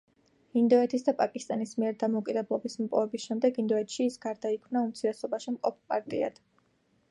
ინდოეთის და პაკისტანის მიერ დამოუკიდებლობის მოპოვების შემდეგ ინდოეთში ის გარდაიქმნა უმცირესობაში მყოფ პარტიად.